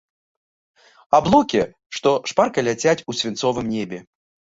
Аблокі, што шпарка ляцяць у свінцовым небе.